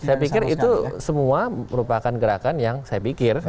saya pikir itu semua merupakan gerakan yang saya pikir